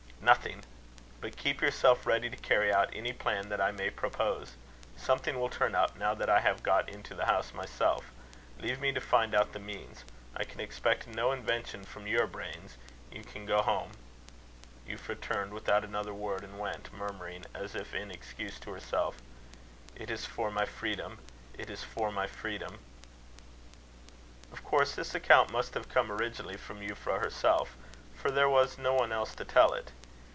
"Nothing. But keep yourself ready to carry out any plan that I may propose. Something will turn up, now that I have got into the house myself. Leave me to find out the means. I can expect no invention from your brains. You can go home." Euphra turned without another word, and went; murmuring, as if in excuse to herself: "It is for my freedom. It is for my freedom." Of course this account must have come originally from Euphra herself, for there was no one else to tell it.